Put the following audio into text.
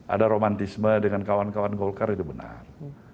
ada romantisme dengan kawan kawan golkar itu benar